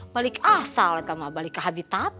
balik asal ya sama balik ke habitat